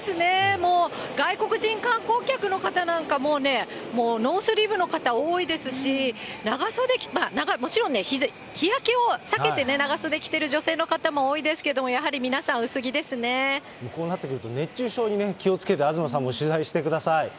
もう、外国人観光客の方なんかも、もうノースリーブの方、多いですし、長袖、もちろんね、日焼けを避けてね、長袖着てる女性の方も多いですけれども、やはり皆さん、こうなってくると熱中症に気をつけて、はい。